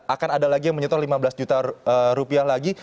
akan ada lagi yang menyetor lima belas juta rupiah lagi